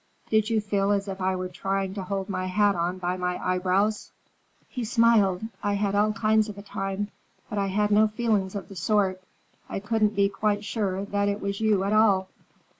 Did you feel as if I were trying to hold my hat on by my eyebrows?" He smiled. "I had all kinds of a time. But I had no feeling of that sort. I couldn't be quite sure that it was you at all.